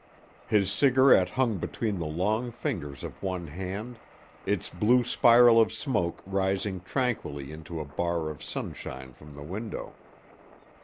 His cigarette hung between the long fingers of one hand, its blue spiral of smoke rising tranquilly into a bar of sunshine from the window.